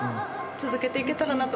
続けていけたらなと。